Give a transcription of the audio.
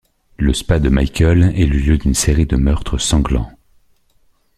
Le spa de Michael est le lieu d'une série de meurtres sanglants.